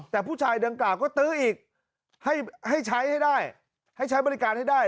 แต่ผู้ชายดังกล่าวก็ตื้ออีกให้ใช้ให้ได้ให้ใช้บริการให้ได้